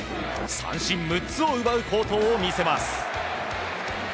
三振６つを奪う好投を見せます。